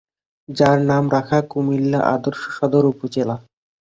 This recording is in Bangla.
যার নাম রাখা কুমিল্লা আদর্শ সদর উপজেলা।